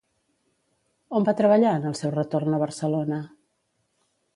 On va treballar en el seu retorn a Barcelona?